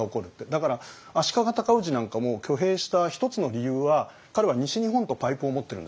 だから足利尊氏なんかも挙兵した一つの理由は彼は西日本とパイプを持ってるんですよ。